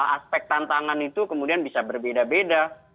aspek tantangan itu kemudian bisa berbeda beda